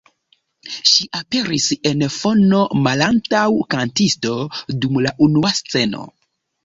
Ŝi aperis en fono malantaŭ kantisto dum la unua sceno.